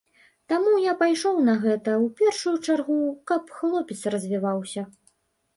Таму я пайшоў на гэта, у першую чаргу, каб хлопец развіваўся.